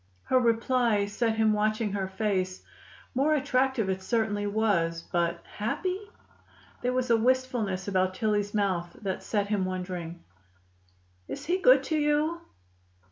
Her reply set him watching her face. More attractive it certainly was, but happy? There was a wistfulness about Tillie's mouth that set him wondering. "Is he good to you?"